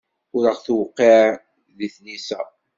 Ur aɣ-tewqiɛ di tlisa.